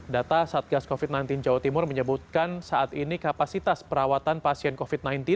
data satgas covid sembilan belas jawa timur menyebutkan saat ini kapasitas perawatan pasien covid sembilan belas